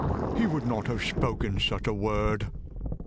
He would not have spoken such a word."